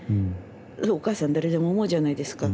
お母さん誰でも思うじゃないですか。